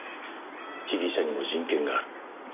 被疑者にも人権がある。